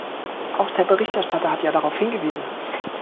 Auch der Berichterstatter hat ja darauf hingewiesen.